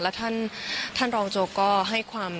แล้วท่านรองโจ๊กก็ให้ความ